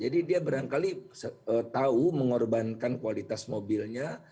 jadi dia berangkali tahu mengorbankan kualitas mobilnya